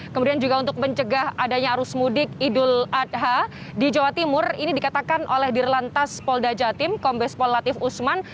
kemudian juga untuk mencegah adanya arus mudik idul adha di jawa timur ini dikatakan oleh dirlantas polda jatim kombes pol latif usman